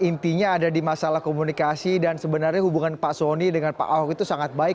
jadi intinya ada di masalah komunikasi dan sebenarnya hubungan pak soni dengan pak ahok itu sangat baik